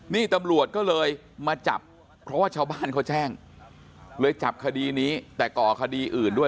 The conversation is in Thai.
นี่ตำรวจก็เลยมาจับเพราะว่าชาวบ้านเขาแจ้งเลยจับคดีนี้แต่ก่อคดีอื่นด้วย